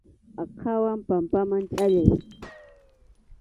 Aqhawan pampaman chʼallay.